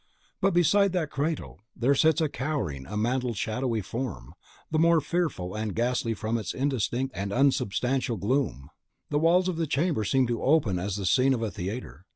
But beside that cradle there sits cowering a mantled, shadowy form, the more fearful and ghastly from its indistinct and unsubstantial gloom. The walls of that chamber seem to open as the scene of a theatre.